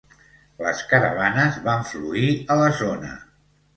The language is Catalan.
Les caravanes van fluir a la zona.